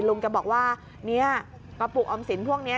ลุงแกบอกว่าเนี่ยกระปุกออมสินพวกนี้